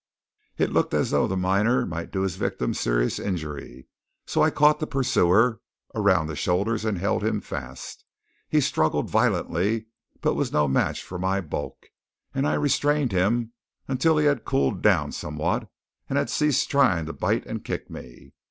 It looked as though the miner might do his victim a serious injury, so I caught the pursuer, around the shoulders and held him fast. He struggled violently, but was no match for my bulk, and I restrained him until he had cooled down somewhat, and had ceased trying to bite and kick me.